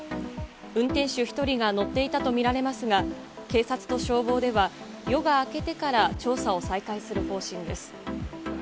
運転手１人が乗っていたと見られますが、警察と消防では、夜が明けてから調査を再開する方針です。